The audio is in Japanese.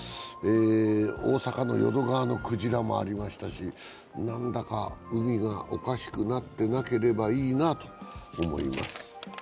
大阪の淀川のくじらもありましたし何だか海がおかしくなってなければいいなと思います。